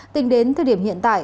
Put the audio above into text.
tính đến thời điểm hiện tại